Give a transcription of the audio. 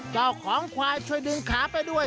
เจ้าของควายช่วยดึงขาไปด้วย